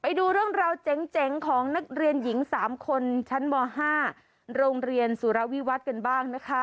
ไปดูเรื่องราวเจ๋งของนักเรียนหญิง๓คนชั้นม๕โรงเรียนสุรวิวัตรกันบ้างนะคะ